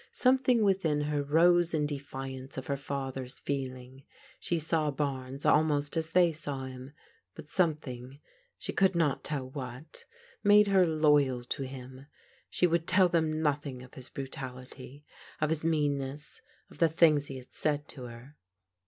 Something within her rose in defiance of her father's feeling. She saw Barnes almost as they saw him, but something, she could not tell what, made her loyal to him. She would tell them nothing of his brutality, of his meanness, of the things he had said to her.